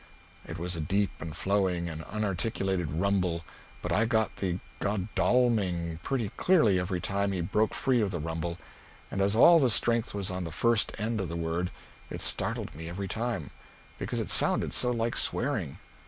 It was a deep and flowing and unarticulated rumble, but I got the Godalming pretty clearly every time it broke free of the rumble, and as all the strength was on the first end of the word it startled me every time, because it sounded so like swearing.